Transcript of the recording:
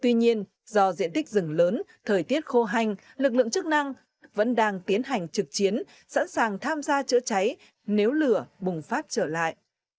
tuy nhiên do diện tích rừng lớn thời tiết khô hanh lực lượng chức năng vẫn đang tiến hành trực chiến sẵn sàng tham gia chữa cháy nếu lửa bùng phát trở lại